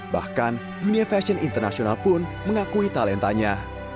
bahkan dunia fashion internasional pun mengakui talentanya